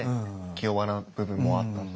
気弱な部分もあったと。